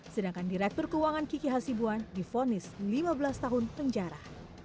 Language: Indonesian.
sedangkan direktur keuangan kiki hasibuan difonis lima belas tahun penjara